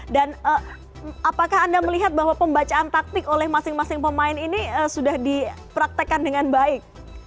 dan apakah anda melihat bahwa pembacaan taktik oleh masing masing pemain ini sudah dipraktekkan dengan baik